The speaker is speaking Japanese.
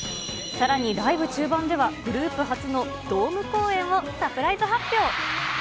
さらにライブ中盤では、グループ初のドーム公演をサプライズ発表。